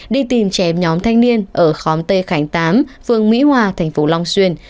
đi tìm trẻ em nhóm thanh niên ở khóm tây khánh tám phường mỹ hòa thành phố long xuyên